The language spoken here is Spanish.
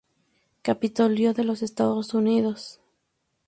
Capitolio de los Estados Unidos